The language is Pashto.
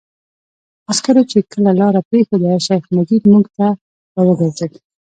عسکرو چې کله لاره پرېښوده، شیخ مجید موږ ته را وګرځېد.